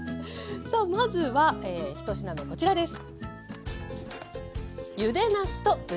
さあまずは１品目こちらです。